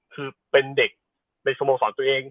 คือเป็นเด็กในสมองศาลตัวเอง